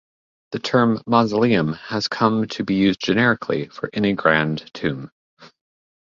The term "mausoleum" has come to be used generically for any grand tomb.